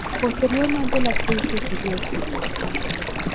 Posteriormente la actriz decidió escribir.